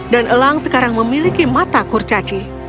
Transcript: dan elang sekarang memiliki mata kurcaci